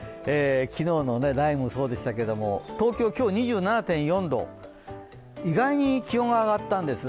昨日の雷雨もそうでしたけど、東京、今日２７．４度、意外に気温が上がったんです。